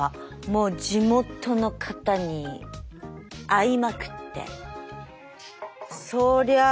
もう地元の方に会いまくってそりゃあ